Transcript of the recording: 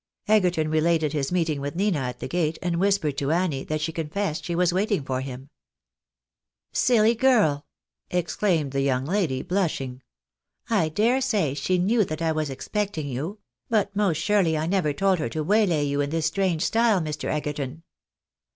Egerton related his meeting with Nina at the gate, and whis pered to Annie that she confessed she was waiting for him. " Silly girl," exclaimed the young lady, blushing, " I dare say she knew that I was expecting you ; but most surely I never told her to waylay you in this strange style, Mr. Egerton."